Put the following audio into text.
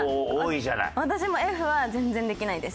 私もＦは全然できないです。